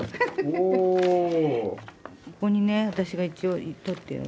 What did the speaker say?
ここにね私が一応取ってある。